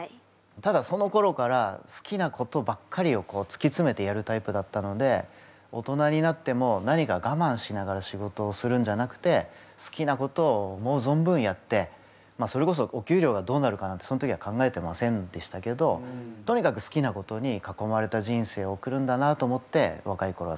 ただそのころから好きなことばっかりをつきつめてやるタイプだったので大人になっても何かがまんしながら仕事をするんじゃなくて好きなことを思う存分やってそれこそお給料がどうなるかなんてその時は考えてませんでしたけどとにかくそんなワーワーワーワーお！